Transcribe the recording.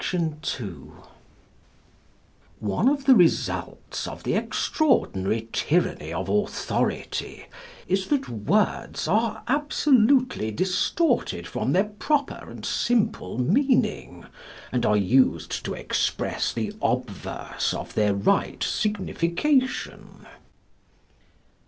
_One of the results of the extraordinary tyranny of authority is that words are absolutely distorted from their proper and simple meaning, and are used to express the obverse of their right signification.